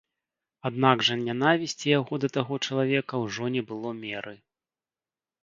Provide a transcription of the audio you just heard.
Аднак жа нянавісці яго да таго чалавека ўжо не было меры.